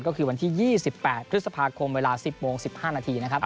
ก็คือวันที่๒๘พฤษภาคมเวลา๑๐โมง๑๕นาทีนะครับ